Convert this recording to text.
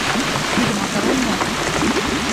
— Тиде макарон мо?